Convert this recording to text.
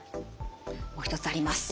もう一つあります。